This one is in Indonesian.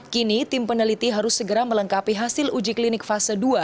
kini tim peneliti harus segera melengkapi hasil uji klinik fase dua